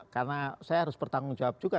karena saya harus bertanggung jawab juga